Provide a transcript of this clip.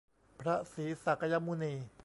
พระศรีศากยมุนี